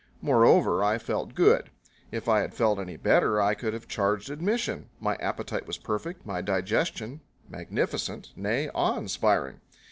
Moreover, I felt good. If I had felt any better I could have charged admission. My appetite was perfect, my digestion magnificent, nay, awe inspiring.